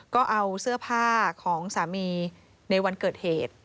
ก็เอาเสื้อผ้าของสามีในวันเกิดเหตุ